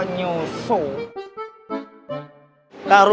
ini cuma rangkot nyusu